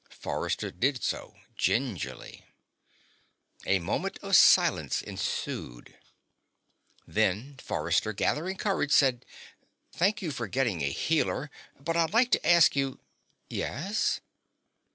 Forrester did so, gingerly. A moment of silence ensued. Then Forrester, gathering courage, said: "Thank you for getting a Healer. But I'd like to ask you " "Yes?"